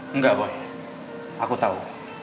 enggak boy aku tahu